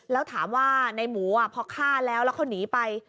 แล้วถามว่าในหมูพอฆ่าแล้วแล้วเขาหนีไป